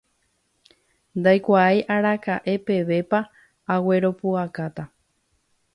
ndaikuaái araka'epevépa agueropu'akáta